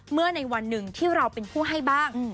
ในวันหนึ่งที่เราเป็นผู้ให้บ้าง